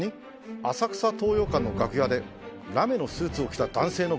浅草東洋館の楽屋でラメのスーツを着た男性のご遺体が？